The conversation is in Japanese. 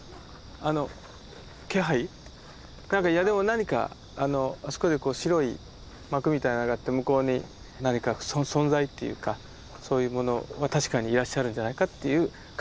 何かあそこで白い幕みたいなのがあって向こうに何か存在っていうかそういうものは確かにいらっしゃるんじゃないかっていう感じは受けました。